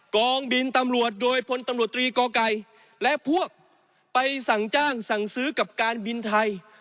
กองบินตำรวจโดยพลตำรวจตรีก่อไก่และพวกไปสั่งจ้างสั่งซื้อกับการบินไทย